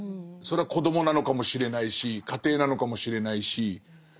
それは子どもなのかもしれないし家庭なのかもしれないし。